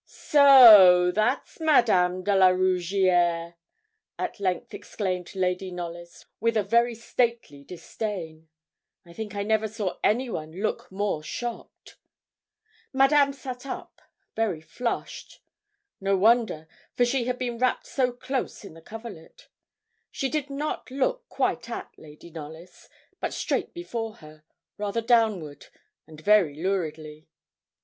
'So that's Madame de la Rougierre?' at length exclaimed Lady Knollys, with a very stately disdain. I think I never saw anyone look more shocked. Madame sat up, very flushed. No wonder, for she had been wrapped so close in the coverlet. She did not look quite at Lady Knollys, but straight before her, rather downward, and very luridly.